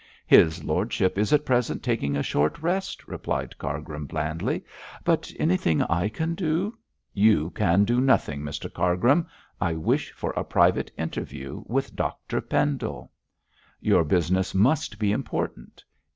'His lordship is at present taking a short rest,' replied Cargrim, blandly, 'but anything I can do ' 'You can do nothing, Mr Cargrim. I wish for a private interview with Dr Pendle.' 'Your business must be important.'